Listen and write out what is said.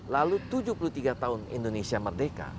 lalu tujuh puluh tiga tahun indonesia merdeka